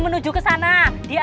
terima kasih tadi pani